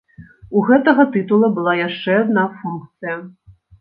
У гэтага тытула была яшчэ адна функцыя.